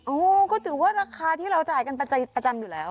ก็ถือว่าราคาที่เราจ่ายกันประจำอยู่แล้ว